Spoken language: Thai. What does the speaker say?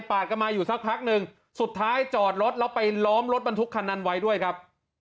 กันมาอยู่สักพักหนึ่งสุดท้ายจอดรถแล้วไปล้อมรถบรรทุกคันนั้นไว้ด้วยครับ